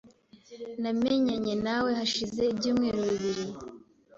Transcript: Namenyanye na we hashize ibyumweru bibiri .